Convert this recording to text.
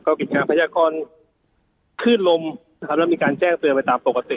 เขากินงานพระยากรณขึ้นลมนะครับแล้วมีการแจ้งเตือนไปตามปกติ